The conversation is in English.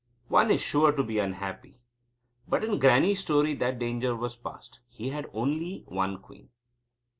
One is sure to be unhappy. But in Grannie's story that danger was past. He had only one queen.